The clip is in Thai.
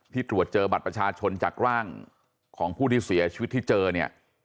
ตรวจเจอบัตรประชาชนจากร่างของผู้ที่เสียชีวิตที่เจอเนี่ย